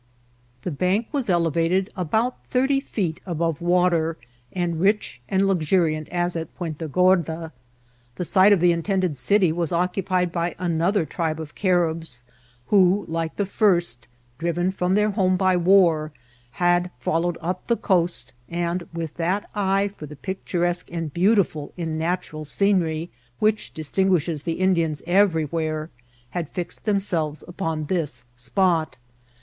The bank was elevated about thirty feet above the water, and rich and luxuriant as at Puenta Gorda. The site of the intended city was occupied by another tribe of Caribs, who, like the first, driven from their home by war, had followed up the coast, and, with that eye for the picturesque and beautiful in natural scenery which distinguishes the Indians everywhere, had fixed themselves upon this spot.